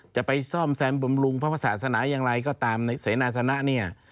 จะไปซ่อมแซมบำรุงพระศาสนาอย่างไรก็ตามในเสนาสนะเนี่ย